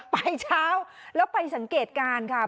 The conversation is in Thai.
เช้าแล้วไปสังเกตการณ์ค่ะ